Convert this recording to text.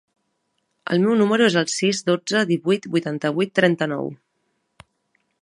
El meu número es el sis, dotze, divuit, vuitanta-vuit, trenta-nou.